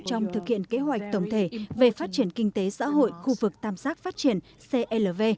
trong thực hiện kế hoạch tổng thể về phát triển kinh tế xã hội khu vực tam giác phát triển clv